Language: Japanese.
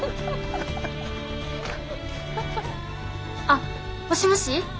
あっもしもし！